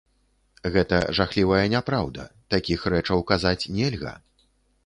Гэта жахлівая няпраўда, такіх рэчаў казаць нельга.